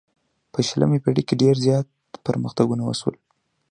په شلمه پیړۍ کې ډیر زیات پرمختګونه وشول.